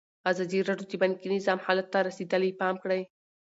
ازادي راډیو د بانکي نظام حالت ته رسېدلي پام کړی.